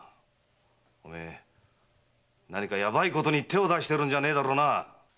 お前何かやばいことに手を出しているんじゃねえだろうな